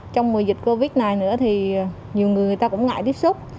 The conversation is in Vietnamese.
trong mùa dịch covid này nữa thì nhiều người người ta cũng ngại tiếp xúc